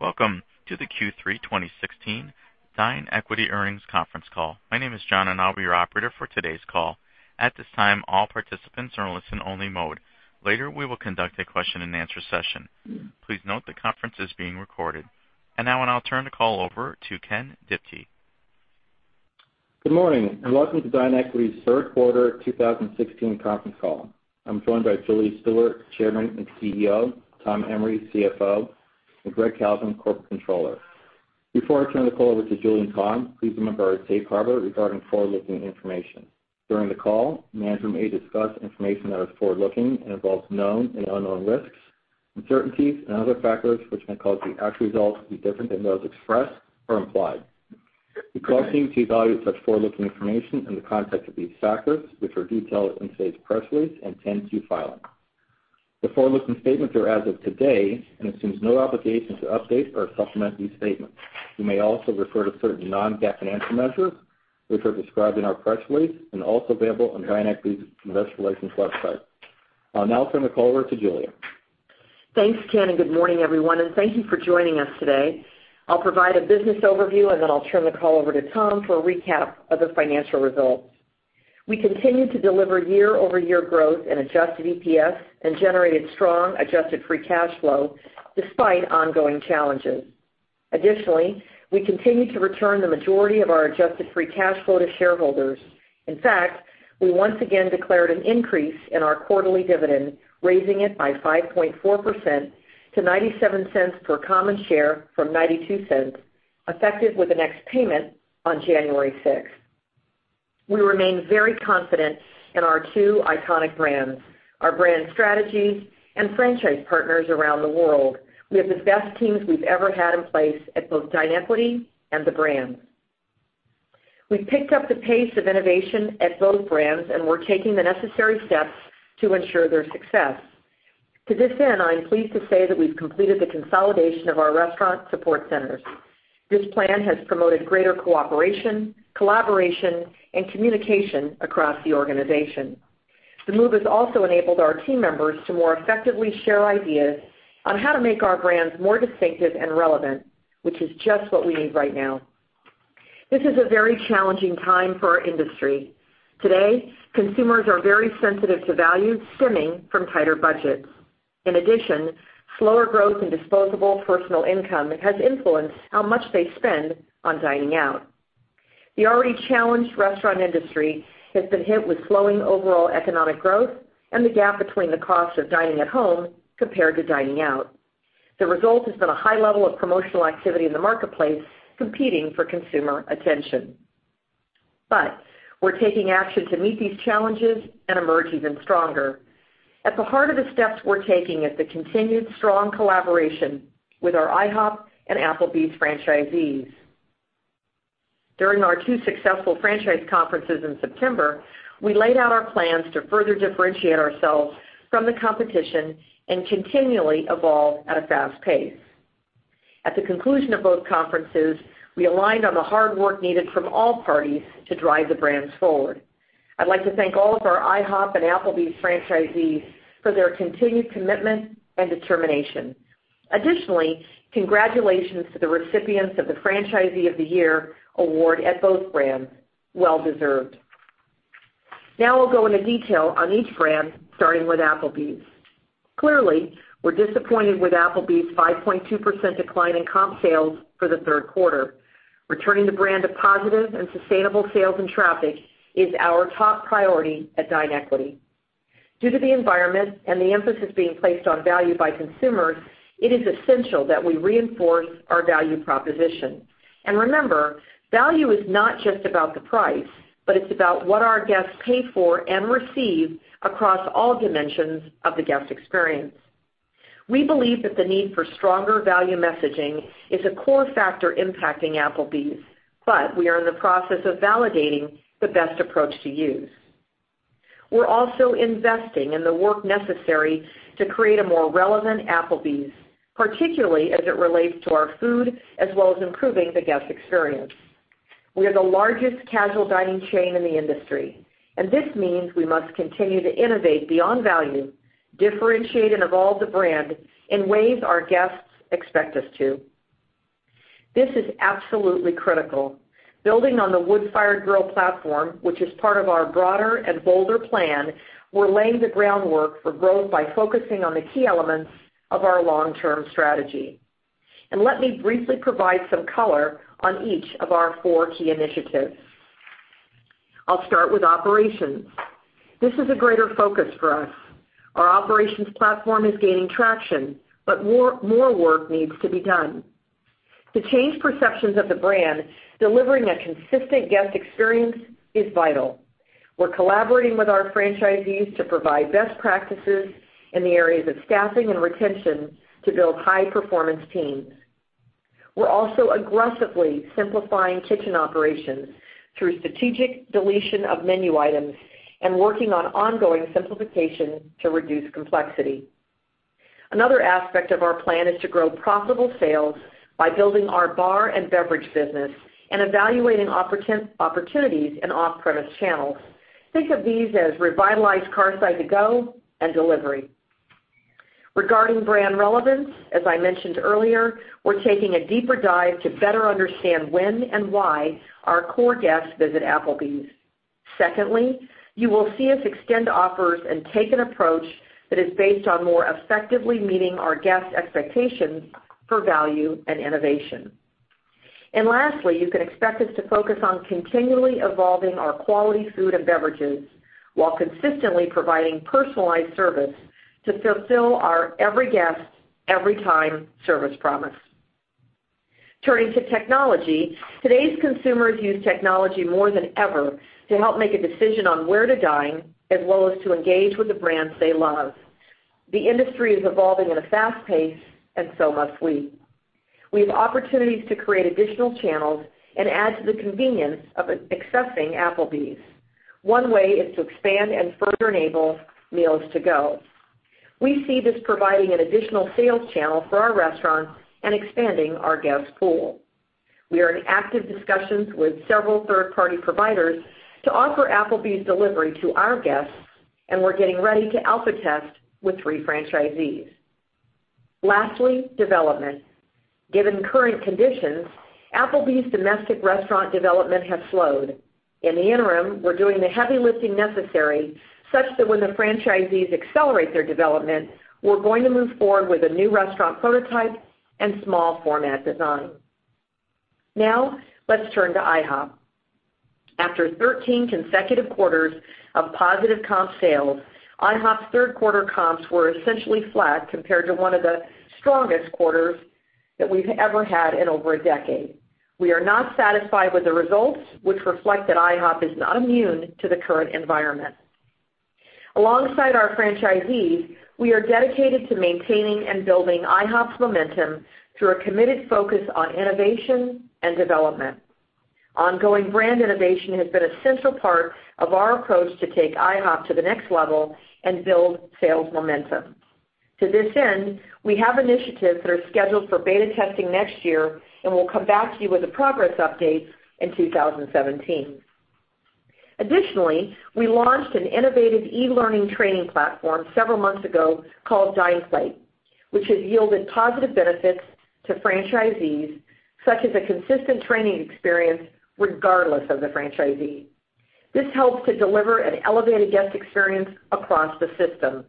Welcome to the Q3 2016 DineEquity Earnings Conference Call. My name is John, and I'll be your operator for today's call. At this time, all participants are in listen only mode. Later, we will conduct a question and answer session. Please note the conference is being recorded. Now I'll turn the call over to Ken Diptee. Good morning, and welcome to DineEquity's third quarter 2016 conference call. I'm joined by Julie Stewart, Chairman and CEO, Tom Emrey, CFO, and Gregg Kalvin, Corporate Controller. Before I turn the call over to Julie and Tom, please remember our safe harbor regarding forward-looking information. During the call, management may discuss information that is forward-looking and involves known and unknown risks, uncertainties and other factors which may cause the actual results to be different than those expressed or implied. You are cautioned to evaluate such forward-looking information in the context of these factors, which are detailed in today's press release and 10-Q filing. The forward-looking statements are as of today and assumes no obligation to update or supplement these statements. We may also refer to certain non-GAAP financial measures, which are described in our press release and also available on DineEquity's Investor Relations website. I'll now turn the call over to Julie. Thanks, Ken. Good morning, everyone, and thank you for joining us today. I'll provide a business overview. Then I'll turn the call over to Tom for a recap of the financial results. We continued to deliver year-over-year growth in adjusted EPS and generated strong adjusted free cash flow despite ongoing challenges. Additionally, we continued to return the majority of our adjusted free cash flow to shareholders. In fact, we once again declared an increase in our quarterly dividend, raising it by 5.4% to $0.97 per common share from $0.92, effective with the next payment on January 6. We remain very confident in our two iconic brands, our brand strategies and franchise partners around the world. We have the best teams we've ever had in place at both DineEquity and the brands. We've picked up the pace of innovation at both brands. We're taking the necessary steps to ensure their success. To this end, I'm pleased to say that we've completed the consolidation of our restaurant support centers. This plan has promoted greater cooperation, collaboration, and communication across the organization. The move has also enabled our team members to more effectively share ideas on how to make our brands more distinctive and relevant, which is just what we need right now. This is a very challenging time for our industry. Today, consumers are very sensitive to value stemming from tighter budgets. Slower growth in disposable personal income has influenced how much they spend on dining out. The already challenged restaurant industry has been hit with slowing overall economic growth and the gap between the cost of dining at home compared to dining out. The result has been a high level of promotional activity in the marketplace competing for consumer attention. We're taking action to meet these challenges and emerge even stronger. At the heart of the steps we're taking is the continued strong collaboration with our IHOP and Applebee's franchisees. During our two successful franchise conferences in September, we laid out our plans to further differentiate ourselves from the competition and continually evolve at a fast pace. At the conclusion of both conferences, we aligned on the hard work needed from all parties to drive the brands forward. I'd like to thank all of our IHOP and Applebee's franchisees for their continued commitment and determination. Additionally, congratulations to the recipients of the Franchisee of the Year Award at both brands. Well deserved. I'll go into detail on each brand, starting with Applebee's. Clearly, we're disappointed with Applebee's 5.2% decline in comp sales for the third quarter. Returning the brand to positive and sustainable sales and traffic is our top priority at DineEquity. Due to the environment and the emphasis being placed on value by consumers, it is essential that we reinforce our value proposition. Remember, value is not just about the price, but it's about what our guests pay for and receive across all dimensions of the guest experience. We believe that the need for stronger value messaging is a core factor impacting Applebee's. We are in the process of validating the best approach to use. We're also investing in the work necessary to create a more relevant Applebee's, particularly as it relates to our food, as well as improving the guest experience. We are the largest casual dining chain in the industry. This means we must continue to innovate beyond value, differentiate and evolve the brand in ways our guests expect us to. This is absolutely critical. Building on the Wood-Fired Grill platform, which is part of our broader and bolder plan, we're laying the groundwork for growth by focusing on the key elements of our long-term strategy. Let me briefly provide some color on each of our four key initiatives. I'll start with operations. This is a greater focus for us. Our operations platform is gaining traction. More work needs to be done. To change perceptions of the brand, delivering a consistent guest experience is vital. We're collaborating with our franchisees to provide best practices in the areas of staffing and retention to build high-performance teams. We're also aggressively simplifying kitchen operations through strategic deletion of menu items and working on ongoing simplification to reduce complexity. Another aspect of our plan is to grow profitable sales by building our bar and beverage business and evaluating opportunities in off-premise channels. Think of these as revitalized Carside To-Go and delivery. Regarding brand relevance, as I mentioned earlier, we're taking a deeper dive to better understand when and why our core guests visit Applebee's. Secondly, you will see us extend offers and take an approach that is based on more effectively meeting our guests' expectations for value and innovation. Lastly, you can expect us to focus on continually evolving our quality food and beverages while consistently providing personalized service to fulfill our every guest, every time service promise. Turning to technology, today's consumers use technology more than ever to help make a decision on where to dine, as well as to engage with the brands they love. The industry is evolving at a fast pace, and so must we. We have opportunities to create additional channels and add to the convenience of accessing Applebee's. One way is to expand and further enable meals to go. We see this providing an additional sales channel for our restaurants and expanding our guest pool. We are in active discussions with several third-party providers to offer Applebee's delivery to our guests, and we're getting ready to alpha test with three franchisees. Lastly, development. Given current conditions, Applebee's domestic restaurant development has slowed. In the interim, we're doing the heavy lifting necessary, such that when the franchisees accelerate their development, we're going to move forward with a new restaurant prototype and small format design. Now, let's turn to IHOP. After 13 consecutive quarters of positive comp sales, IHOP's third quarter comps were essentially flat compared to one of the strongest quarters that we've ever had in over a decade. We are not satisfied with the results, which reflect that IHOP is not immune to the current environment. Alongside our franchisees, we are dedicated to maintaining and building IHOP's momentum through a committed focus on innovation and development. Ongoing brand innovation has been a central part of our approach to take IHOP to the next level and build sales momentum. To this end, we have initiatives that are scheduled for beta testing next year. We'll come back to you with a progress update in 2017. Additionally, we launched an innovative e-learning training platform several months ago called DinePlate, which has yielded positive benefits to franchisees, such as a consistent training experience regardless of the franchisee. This helps to deliver an elevated guest experience across the system.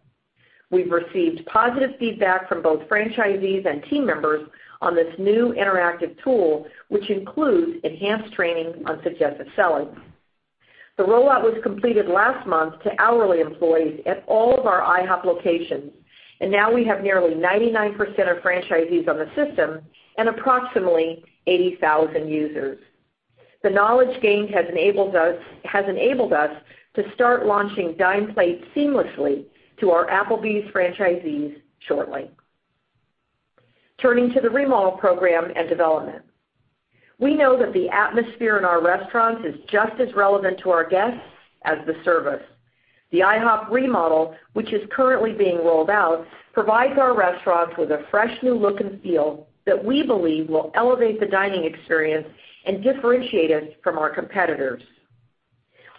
We've received positive feedback from both franchisees and team members on this new interactive tool, which includes enhanced training on suggestive selling. The rollout was completed last month to hourly employees at all of our IHOP locations. Now we have nearly 99% of franchisees on the system and approximately 80,000 users. The knowledge gained has enabled us to start launching DinePlate seamlessly to our Applebee's franchisees shortly. Turning to the remodel program and development. We know that the atmosphere in our restaurants is just as relevant to our guests as the service. The IHOP remodel, which is currently being rolled out, provides our restaurants with a fresh new look and feel that we believe will elevate the dining experience and differentiate us from our competitors.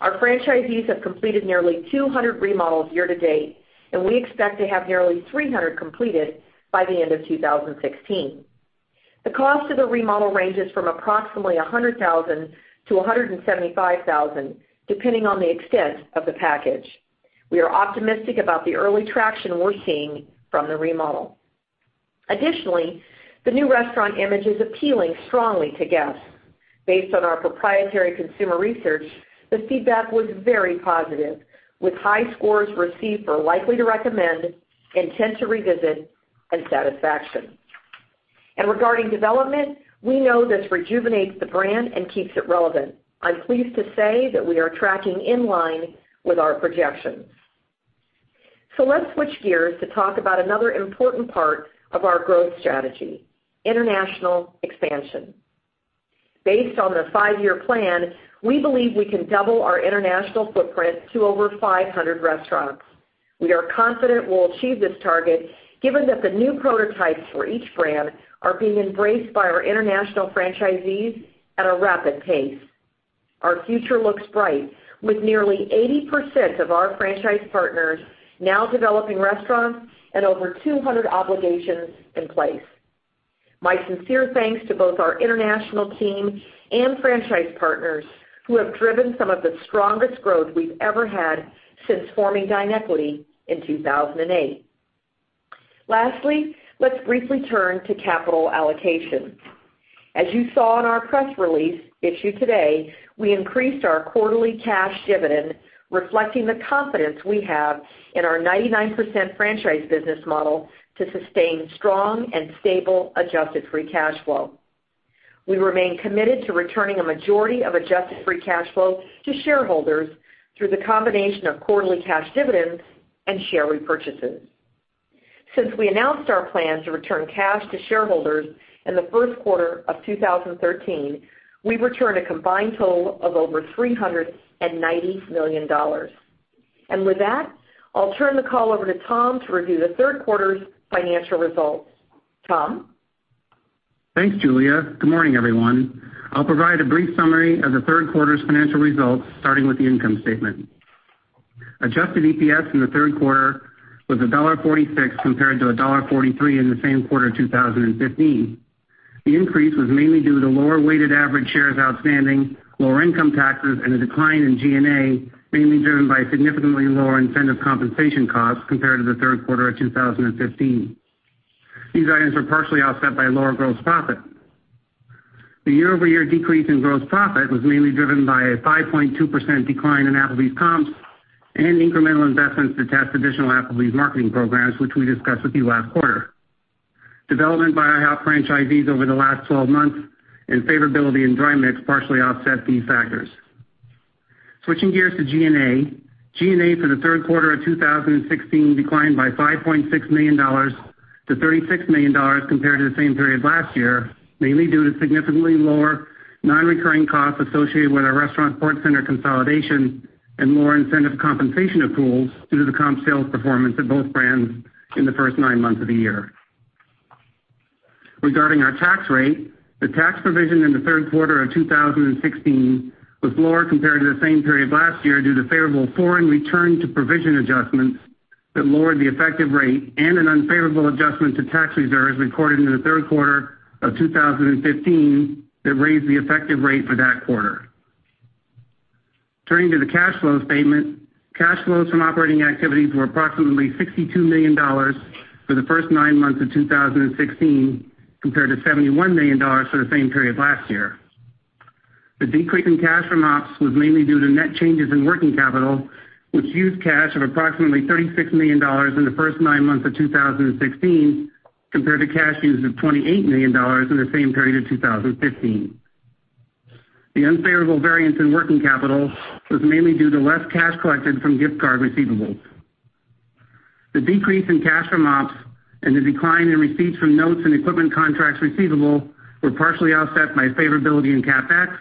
Our franchisees have completed nearly 200 remodels year-to-date, and we expect to have nearly 300 completed by the end of 2016. The cost of the remodel ranges from approximately $100,000 to $175,000, depending on the extent of the package. We are optimistic about the early traction we're seeing from the remodel. Additionally, the new restaurant image is appealing strongly to guests. Based on our proprietary consumer research, the feedback was very positive, with high scores received for likely to recommend, intent to revisit, and satisfaction. Regarding development, we know this rejuvenates the brand and keeps it relevant. I'm pleased to say that we are tracking in line with our projections. Let's switch gears to talk about another important part of our growth strategy, international expansion. Based on the five-year plan, we believe we can double our international footprint to over 500 restaurants. We are confident we'll achieve this target, given that the new prototypes for each brand are being embraced by our international franchisees at a rapid pace. Our future looks bright, with nearly 80% of our franchise partners now developing restaurants and over 200 obligations in place. My sincere thanks to both our international team and franchise partners, who have driven some of the strongest growth we've ever had since forming DineEquity in 2008. Lastly, let's briefly turn to capital allocation. As you saw in our press release issued today, we increased our quarterly cash dividend, reflecting the confidence we have in our 99% franchise business model to sustain strong and stable adjusted free cash flow. We remain committed to returning a majority of adjusted free cash flow to shareholders through the combination of quarterly cash dividends and share repurchases. Since we announced our plans to return cash to shareholders in the first quarter of 2013, we've returned a combined total of over $390 million. With that, I'll turn the call over to Tom to review the third quarter's financial results. Tom? Thanks, Julie. Good morning, everyone. I'll provide a brief summary of the third quarter's financial results, starting with the income statement. Adjusted EPS in the third quarter was $1.46 compared to $1.43 in the same quarter 2015. The increase was mainly due to lower weighted average shares outstanding, lower income taxes, and a decline in G&A, mainly driven by significantly lower incentive compensation costs compared to the third quarter of 2015. These items were partially offset by lower gross profit. The year-over-year decrease in gross profit was mainly driven by a 5.2% decline in Applebee's comps and incremental investments to test additional Applebee's marketing programs, which we discussed with you last quarter. Development by IHOP franchisees over the last 12 months and favorability in dry mix partially offset these factors. Switching gears to G&A. G&A for the third quarter of 2016 declined by $5.6 million to $36 million compared to the same period last year, mainly due to significantly lower non-recurring costs associated with our restaurant support center consolidation and lower incentive compensation accruals due to the comp sales performance at both brands in the first nine months of the year. Regarding our tax rate, the tax provision in the third quarter of 2016 was lower compared to the same period last year due to favorable foreign return-to-provision adjustments that lowered the effective rate and an unfavorable adjustment to tax reserves recorded in the third quarter of 2015 that raised the effective rate for that quarter. Turning to the cash flow statement. Cash flows from operating activities were approximately $62 million for the first nine months of 2016 compared to $71 million for the same period last year. The decrease in cash from ops was mainly due to net changes in working capital, which used cash of approximately $36 million in the first nine months of 2016 compared to cash used of $28 million in the same period of 2015. The unfavorable variance in working capital was mainly due to less cash collected from gift card receivables. The decrease in cash from ops and the decline in receipts from notes and equipment contracts receivable were partially offset by favorability in CapEx,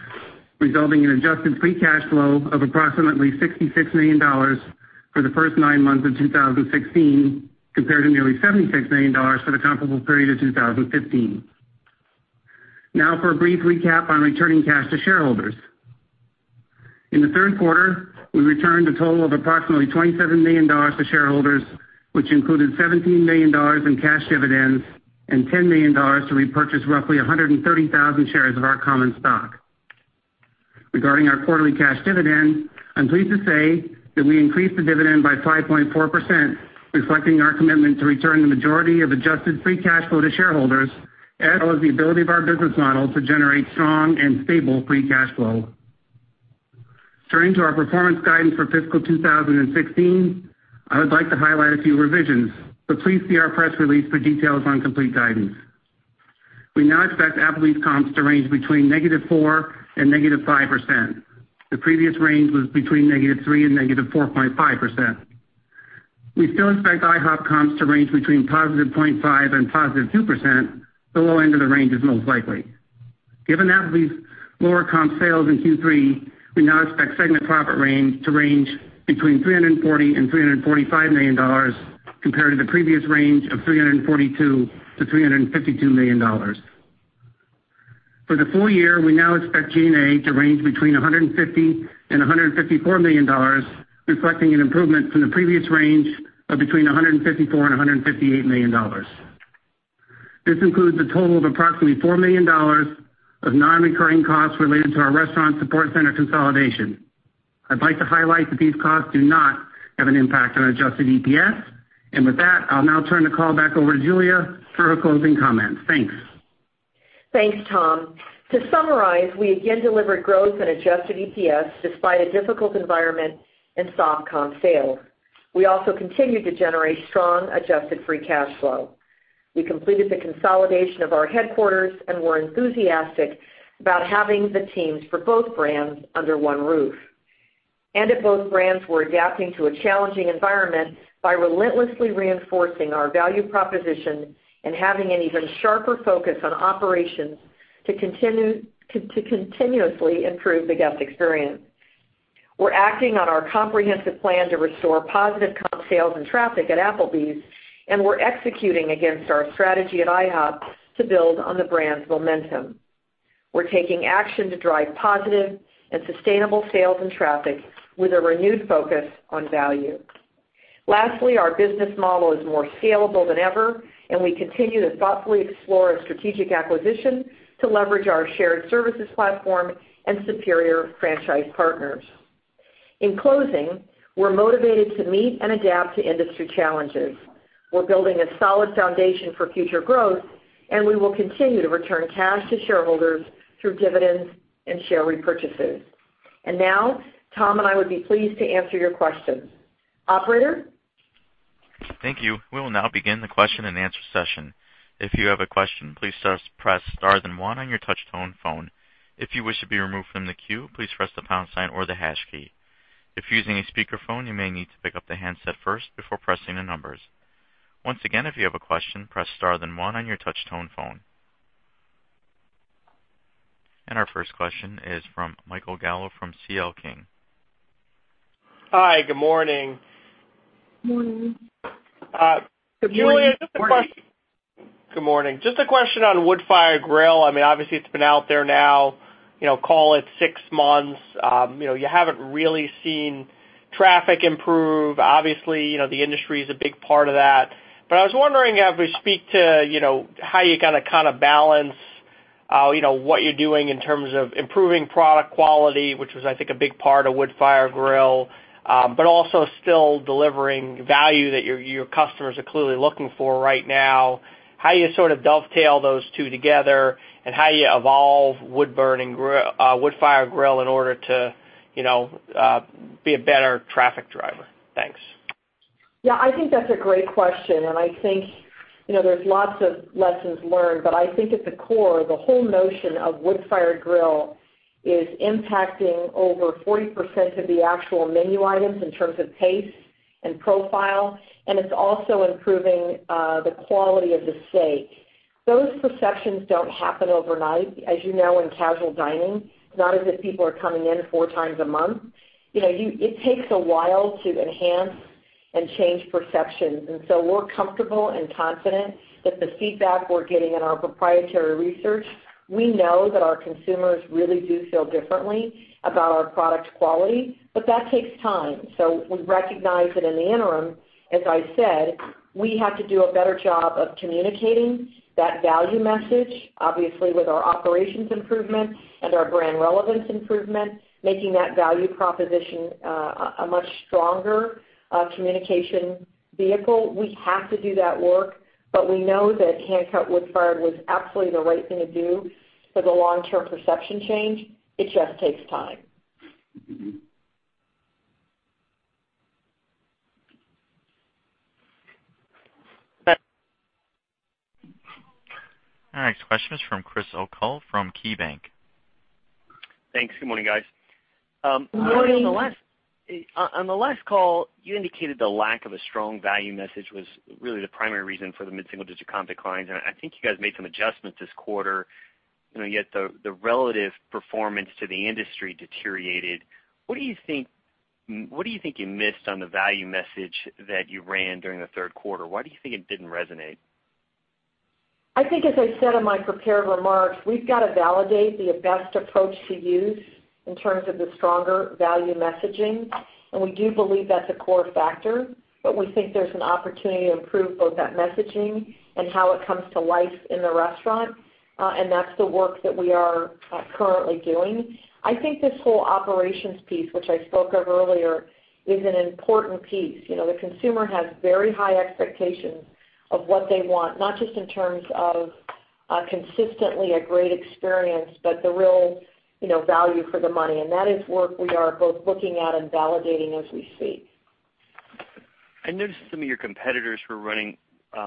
resulting in adjusted free cash flow of approximately $66 million for the first nine months of 2016 compared to nearly $76 million for the comparable period of 2015. For a brief recap on returning cash to shareholders. In the third quarter, we returned a total of approximately $27 million to shareholders, which included $17 million in cash dividends and $10 million to repurchase roughly 130,000 shares of our common stock. Regarding our quarterly cash dividend, I am pleased to say that we increased the dividend by 5.4%, reflecting our commitment to return the majority of adjusted free cash flow to shareholders, as well as the ability of our business model to generate strong and stable free cash flow. Turning to our performance guidance for fiscal 2016, I would like to highlight a few revisions, please see our press release for details on complete guidance. We now expect Applebee's comps to range between -4% and -5%. The previous range was between -3% and -4.5%. We still expect IHOP comps to range between +0.5% and +2%, the low end of the range is most likely. Given Applebee's lower comp sales in Q3, we now expect segment profit range to range between $340 million and $345 million, compared to the previous range of $342 million to $352 million. For the full year, we now expect G&A to range between $150 million and $154 million, reflecting an improvement from the previous range of between $154 million and $158 million. This includes a total of approximately $4 million of non-recurring costs related to our restaurant support center consolidation. I would like to highlight that these costs do not have an impact on adjusted EPS. With that, I will now turn the call back over to Julie for her closing comments. Thanks. Thanks, Tom. To summarize, we again delivered growth in adjusted EPS despite a difficult environment and soft comp sales. We also continued to generate strong adjusted free cash flow. We completed the consolidation of our headquarters and were enthusiastic about having the teams for both brands under one roof. At both brands, we're adapting to a challenging environment by relentlessly reinforcing our value proposition and having an even sharper focus on operations to continuously improve the guest experience. We're acting on our comprehensive plan to restore positive comp sales and traffic at Applebee's, and we're executing against our strategy at IHOP to build on the brand's momentum. We're taking action to drive positive and sustainable sales and traffic with a renewed focus on value. Lastly, our business model is more scalable than ever, and we continue to thoughtfully explore a strategic acquisition to leverage our shared services platform and superior franchise partners. In closing, we're motivated to meet and adapt to industry challenges. We're building a solid foundation for future growth, and we will continue to return cash to shareholders through dividends and share repurchases. Now, Tom and I would be pleased to answer your questions. Operator? Thank you. We will now begin the question and answer session. If you have a question, please press star then one on your touch tone phone. If you wish to be removed from the queue, please press the pound sign or the hash key. If using a speakerphone, you may need to pick up the handset first before pressing the numbers. Once again, if you have a question, press star then one on your touch tone phone. Our first question is from Michael Gallo from C.L. King. Hi, good morning. Morning. Good morning. Good morning. Just a question on wood-fired grill. Obviously, it's been out there now, call it six months. You haven't really seen traffic improve. Obviously, the industry is a big part of that. I was wondering if we speak to how you balance what you're doing in terms of improving product quality, which was, I think, a big part of wood-fired grill, but also still delivering value that your customers are clearly looking for right now. How you dovetail those two together, how you evolve wood-fired grill in order to be a better traffic driver? Thanks. Yeah, I think that's a great question. I think there's lots of lessons learned. I think at the core, the whole notion of wood-fired grill is impacting over 40% of the actual menu items in terms of taste and profile. It's also improving the quality of the steak. Those perceptions don't happen overnight. As you know, in casual dining, it's not as if people are coming in four times a month. It takes a while to enhance and change perceptions. We're comfortable and confident that the feedback we're getting in our proprietary research, we know that our consumers really do feel differently about our product quality, but that takes time. We recognize that in the interim, as I said, we have to do a better job of communicating that value message, obviously with our operations improvement and our brand relevance improvement, making that value proposition a much stronger communication vehicle. We have to do that work, but we know that Hand-Cut Wood-Fired was absolutely the right thing to do for the long-term perception change. It just takes time. Our next question is from Chris O'Cull from KeyBanc. Thanks. Good morning, guys. Morning. On the last call, you indicated the lack of a strong value message was really the primary reason for the mid-single-digit comp declines. I think you guys made some adjustments this quarter, yet the relative performance to the industry deteriorated. What do you think you missed on the value message that you ran during the third quarter? Why do you think it didn't resonate? I think, as I said in my prepared remarks, we've got to validate the best approach to use in terms of the stronger value messaging. We do believe that's a core factor, we think there's an opportunity to improve both that messaging and how it comes to life in the restaurant. That's the work that we are currently doing. I think this whole operations piece, which I spoke of earlier, is an important piece. The consumer has very high expectations of what they want, not just in terms of consistently a great experience, the real value for the money, that is work we are both looking at and validating as we speak. I noticed some of your competitors were running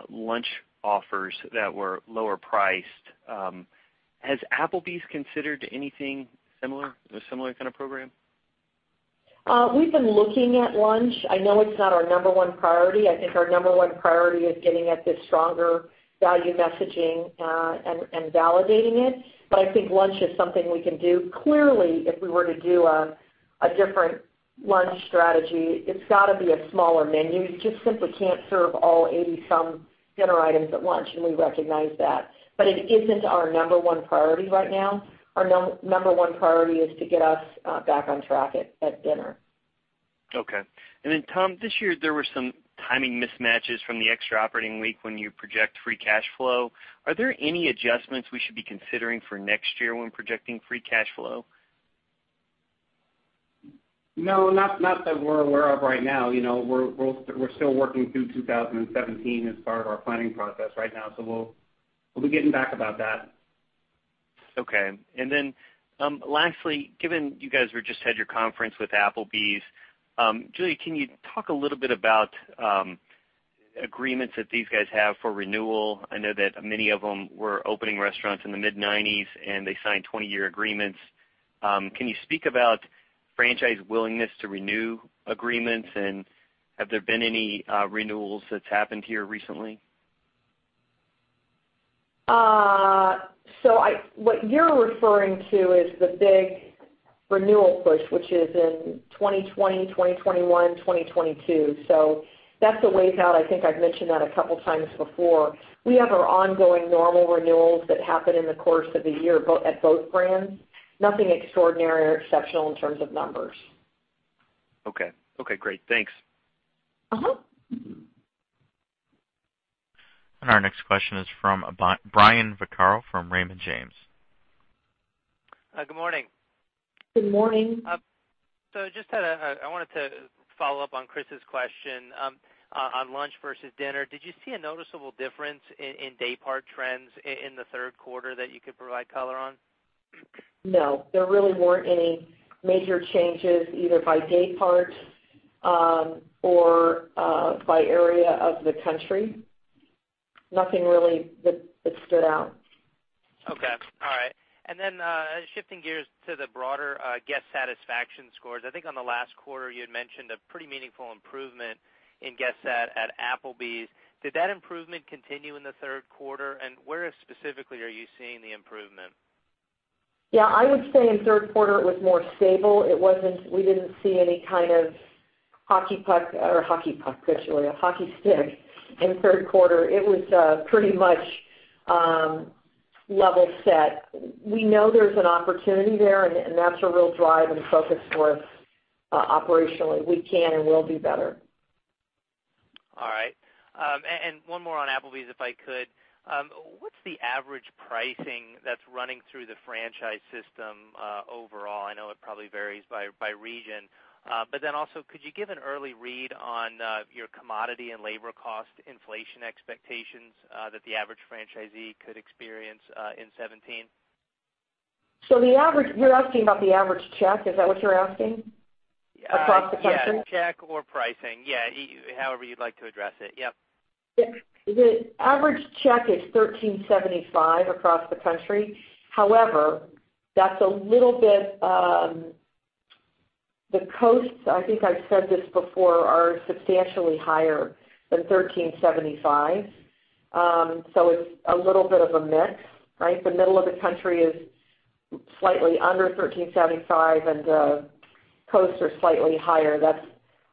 lunch offers that were lower priced. Has Applebee's considered anything similar? A similar kind of program? We've been looking at lunch. I know it's not our number one priority. I think our number one priority is getting at this stronger value messaging and validating it. I think lunch is something we can do. Clearly, if we were to do a different lunch strategy, it's got to be a smaller menu. You just simply can't serve all 80-some dinner items at lunch, we recognize that. It isn't our number one priority right now. Our number one priority is to get us back on track at dinner. Okay. Tom, this year there were some timing mismatches from the extra operating week when you project free cash flow. Are there any adjustments we should be considering for next year when projecting free cash flow? No, not that we're aware of right now. We're still working through 2017 as part of our planning process right now. We'll be getting back about that. Okay. Lastly, given you guys just had your conference with Applebee's, Julie, can you talk a little bit about agreements that these guys have for renewal? I know that many of them were opening restaurants in the mid-'90s, and they signed 20-year agreements. Can you speak about franchise willingness to renew agreements, and have there been any renewals that's happened here recently? What you're referring to is the big renewal push, which is in 2020, 2021, 2022. That's a ways out. I think I've mentioned that a couple times before. We have our ongoing normal renewals that happen in the course of a year at both brands. Nothing extraordinary or exceptional in terms of numbers. Okay. Okay, great. Thanks. Our next question is from Brian Vaccaro from Raymond James. Good morning. Good morning. Just I wanted to follow up on Chris' question on lunch versus dinner. Did you see a noticeable difference in daypart trends in the third quarter that you could provide color on? No. There really weren't any major changes either by daypart or by area of the country. Nothing really that stood out. Okay. All right. Then shifting gears to the broader guest satisfaction scores. I think on the last quarter, you had mentioned a pretty meaningful improvement in guest sat at Applebee's. Did that improvement continue in the third quarter? Where specifically are you seeing the improvement? Yeah, I would say in third quarter it was more stable. We didn't see any kind of hockey stick in third quarter. It was pretty much level set. We know there's an opportunity there, and that's a real drive and focus for us operationally. We can and will do better. All right. One more on Applebee's, if I could. What's the average pricing that's running through the franchise system overall? I know it probably varies by region. Then also, could you give an early read on your commodity and labor cost inflation expectations that the average franchisee could experience in 2017? You're asking about the average check? Is that what you're asking? Across the country? Yeah, check or pricing. Yeah. However you'd like to address it. Yep. The average check is $13.75 across the country. However, the coasts, I think I've said this before, are substantially higher than $13.75. It's a little bit of a mix, right? The middle of the country is slightly under $13.75, and the coasts are slightly higher. That's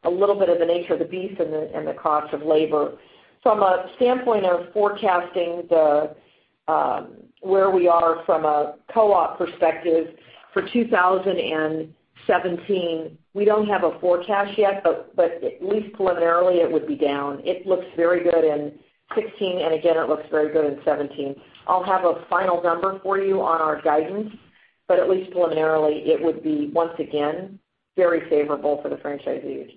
a little bit of the nature of the beast and the cost of labor. From a standpoint of forecasting where we are from a co-op perspective for 2017, we don't have a forecast yet, but at least preliminarily, it would be down. It looks very good in 2016, and again, it looks very good in 2017. I'll have a final number for you on our guidance, but at least preliminarily, it would be, once again, very favorable for the franchisees.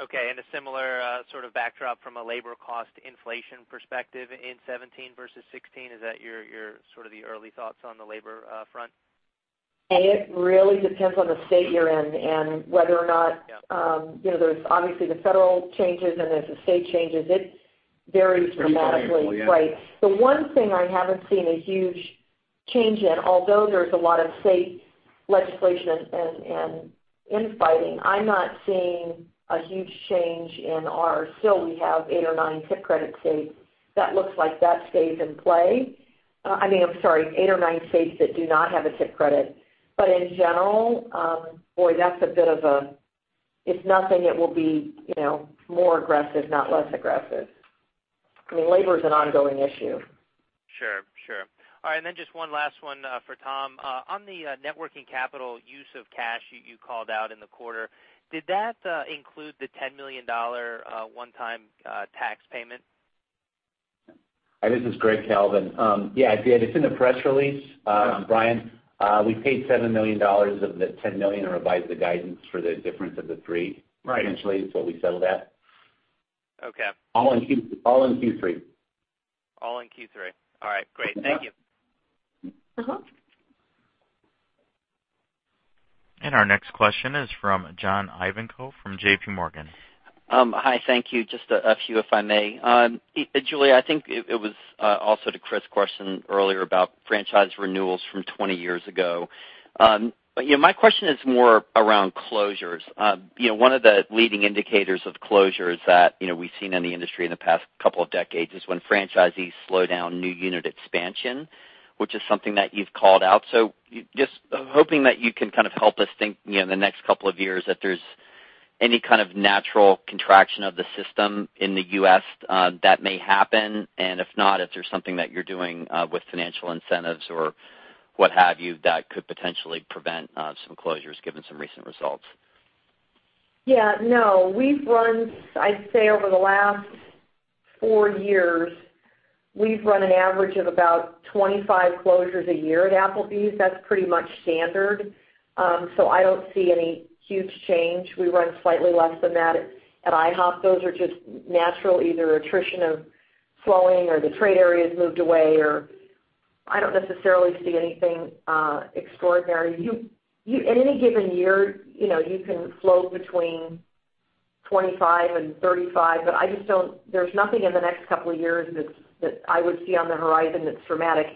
Okay, a similar sort of backdrop from a labor cost inflation perspective in 2017 versus 2016? Is that your sort of the early thoughts on the labor front? It really depends on the state you're in and whether or not. Yeah there's obviously the federal changes and there's the state changes. It varies dramatically. Right. The one thing I haven't seen a huge change in, although there's a lot of state legislation and infighting, I'm not seeing a huge change in our, still we have eight or nine tip credit states. That looks like that stays in play. I'm sorry, eight or nine states that do not have a tip credit. In general, boy, if nothing, it will be more aggressive, not less aggressive. I mean, labor is an ongoing issue. Sure. All right, just one last one for Tom Emrey. On the networking capital use of cash you called out in the quarter, did that include the $10 million one-time tax payment? This is Gregg Kalvin. Yeah, it did. It's in the press release, Brian Vaccaro. We paid $7 million of the $10 million and revised the guidance for the difference of the three. Right essentially, until we settle that. Okay. All in Q3. All in Q3. All right, great. Thank you. Our next question is from John Ivankoe from J.P. Morgan. Hi, thank you. Just a few, if I may. Julie, I think it was also to Chris' question earlier about franchise renewals from 20 years ago. My question is more around closures. One of the leading indicators of closures that we've seen in the industry in the past couple of decades is when franchisees slow down new unit expansion, which is something that you've called out. Just hoping that you can kind of help us think in the next couple of years that there's any kind of natural contraction of the system in the U.S. that may happen. If not, if there's something that you're doing with financial incentives or what have you, that could potentially prevent some closures given some recent results. Yeah. No. I'd say over the last four years, we've run an average of about 25 closures a year at Applebee's. That's pretty much standard. I don't see any huge change. We run slightly less than that at IHOP. Those are just natural, either attrition of flowing or the trade area's moved away. I don't necessarily see anything extraordinary. In any given year, you can float between 25 and 35, but there's nothing in the next couple of years that I would see on the horizon that's dramatic.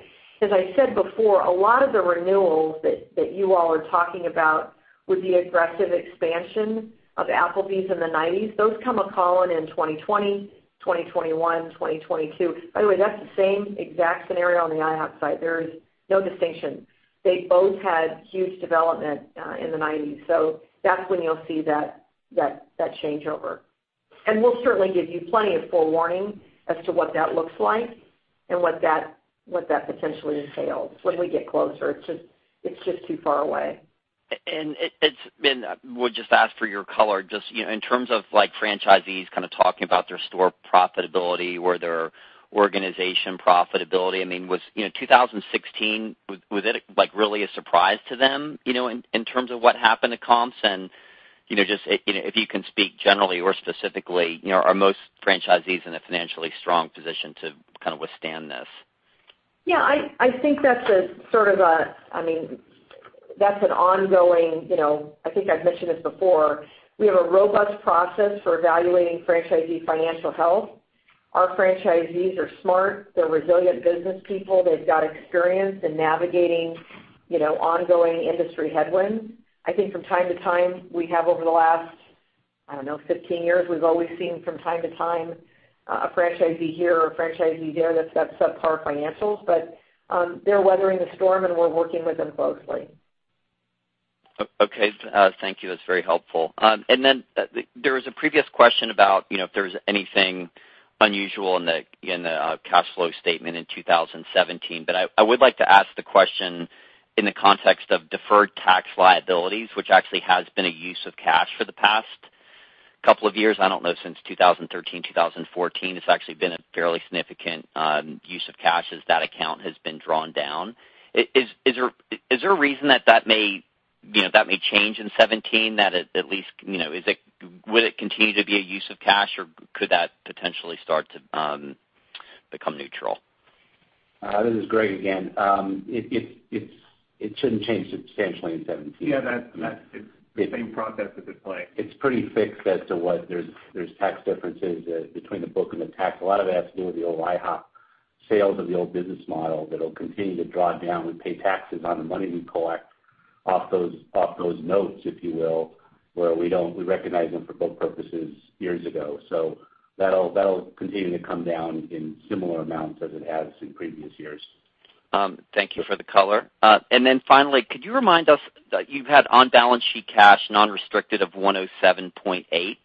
As I said before, a lot of the renewals that you all are talking about with the aggressive expansion of Applebee's in the '90s, those come a calling in 2020, 2021, 2022. By the way, that's the same exact scenario on the IHOP side. There is no distinction. They both had huge development in the '90s. That's when you'll see that changeover. We'll certainly give you plenty of forewarning as to what that looks like and what that potentially entails when we get closer. It's just too far away. Would just ask for your color, just in terms of franchisees kind of talking about their store profitability or their organization profitability. 2016, was it really a surprise to them in terms of what happened to comps? If you can speak generally or specifically, are most franchisees in a financially strong position to kind of withstand this? I've mentioned this before. We have a robust process for evaluating franchisee financial health. Our franchisees are smart. They're resilient business people. They've got experience in navigating ongoing industry headwinds. I think from time to time, we have over the last 15 years, we've always seen from time to time a franchisee here or a franchisee there that's got subpar financials. They're weathering the storm, and we're working with them closely. Okay. Thank you. That's very helpful. There was a previous question about if there was anything unusual in the cash flow statement in 2017. I would like to ask the question in the context of deferred tax liabilities, which actually has been a use of cash for the past couple of years. Since 2013, 2014, it's actually been a fairly significant use of cash as that account has been drawn down. Is there a reason that that may change in 2017? At least, will it continue to be a use of cash, or could that potentially start to become neutral? This is Gregg again. It shouldn't change substantially in 2017. It's the same process at play. It's pretty fixed as to what there's tax differences between the book and the tax. A lot of it has to do with the old IHOP sales of the old business model that'll continue to draw down. We pay taxes on the money we collect off those notes, if you will, where we recognize them for book purposes years ago. That'll continue to come down in similar amounts as it has in previous years. Thank you for the color. Finally, could you remind us that you've had on-balance sheet cash, non-restricted of $107.8.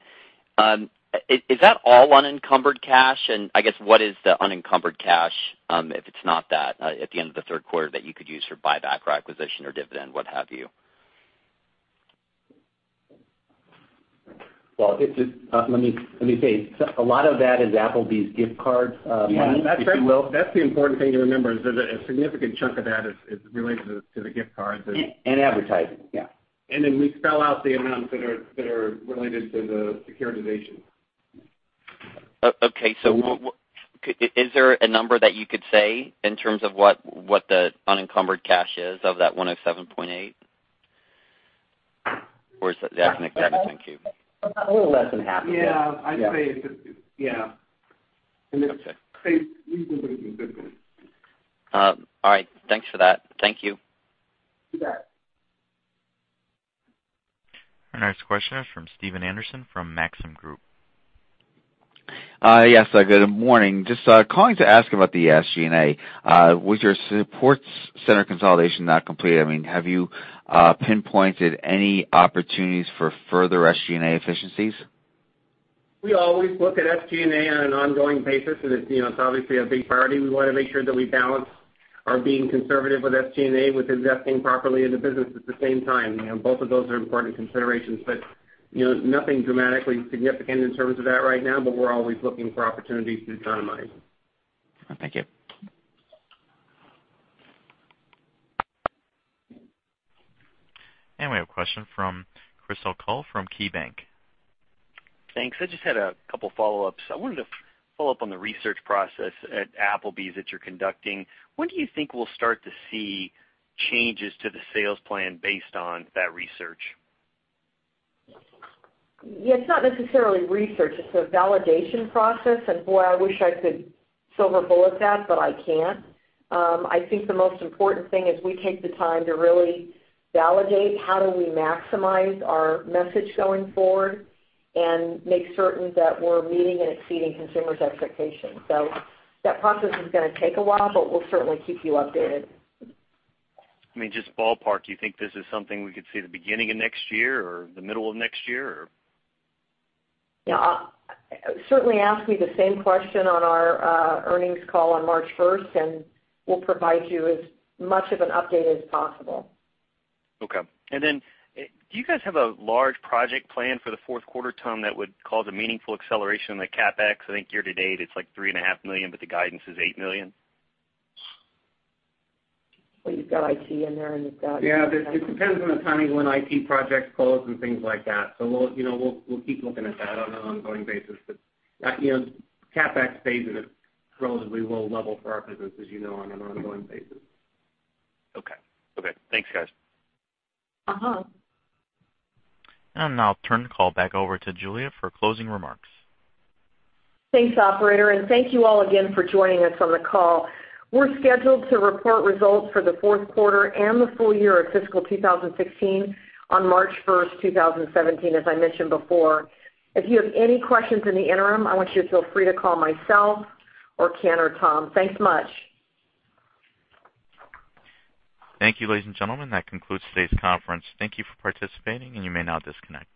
Is that all unencumbered cash? I guess, what is the unencumbered cash, if it's not that, at the end of the third quarter that you could use for buyback or acquisition or dividend, what have you? Well, let me say, a lot of that is Applebee's gift cards. Yeah. That's the important thing to remember is that a significant chunk of that is related to the gift cards. advertising. Yeah. We spell out the amounts that are related to the securitization. Okay. Is there a number that you could say in terms of what the unencumbered cash is of that $107.8? Or is that an exact thank you. A little less than half. Yeah. I'd say it's Yeah. Okay. It's reasonably significant. All right. Thanks for that. Thank you. You bet. Our next question is from Stephen Anderson from Maxim Group. Yes. Good morning. Just calling to ask about the SG&A. With your support center consolidation now complete, have you pinpointed any opportunities for further SG&A efficiencies? We always look at SG&A on an ongoing basis, and it's obviously a big priority. We want to make sure that we balance our being conservative with SG&A, with investing properly in the business at the same time. Both of those are important considerations, but nothing dramatically significant in terms of that right now. We're always looking for opportunities to economize. Thank you. We have a question from Chris O'Cull from KeyBanc. Thanks. I just had a couple of follow-ups. I wanted to follow up on the research process at Applebee's that you're conducting. When do you think we'll start to see changes to the sales plan based on that research? Yeah, it's not necessarily research, it's a validation process, and boy, I wish I could silver bullet that, but I can't. I think the most important thing is we take the time to really validate how do we maximize our message going forward and make certain that we're meeting and exceeding consumers' expectations. That process is going to take a while, but we'll certainly keep you updated. Just ballpark, do you think this is something we could see the beginning of next year or the middle of next year, or? Yeah. Certainly ask me the same question on our earnings call on March 1st, we'll provide you as much of an update as possible. Okay. Do you guys have a large project plan for the fourth quarter, Tom, that would cause a meaningful acceleration in the CapEx? I think year-to-date, it's like three and a half million, the guidance is $8 million. Well, you've got IT in there, you've got. Yeah, it depends on the timing when IT projects close and things like that. We'll keep looking at that on an ongoing basis. CapEx stays at a relatively low level for our business as you know, on an ongoing basis. Okay. Thanks, guys. I'll now turn the call back over to Julie for closing remarks. Thanks, operator. Thank you all again for joining us on the call. We're scheduled to report results for the fourth quarter and the full year of fiscal 2016 on March 1st, 2017, as I mentioned before. If you have any questions in the interim, I want you to feel free to call myself or Ken or Tom. Thanks much. Thank you, ladies and gentlemen. That concludes today's conference. Thank you for participating, and you may now disconnect.